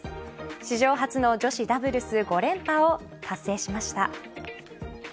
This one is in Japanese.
史上初の女子ダブルス５連覇を達成しました。